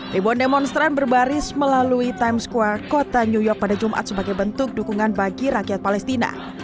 ribuan demonstran berbaris melalui times square kota new york pada jumat sebagai bentuk dukungan bagi rakyat palestina